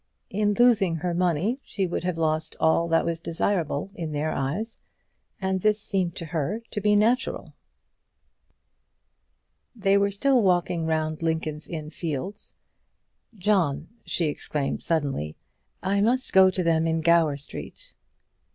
In losing her money she would have lost all that was desirable in their eyes, and this seemed to her to be natural. They were still walking round Lincoln's Inn Fields. "John," she exclaimed suddenly, "I must go to them in Gower Street."